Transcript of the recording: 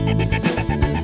dia kabur juga